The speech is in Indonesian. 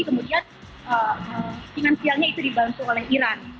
kemudian tingan sialnya itu dibantu oleh iran